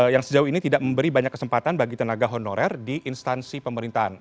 yang sejauh ini tidak memberi banyak kesempatan bagi tenaga honorer di instansi pemerintahan